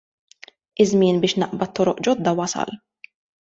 Iż-żmien biex naqbad toroq ġodda wasal.